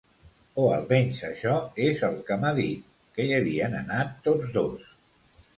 O almenys això és el que m'ha dit, que hi havien anat tots dos.